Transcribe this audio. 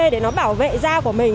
để nó bảo vệ da của mình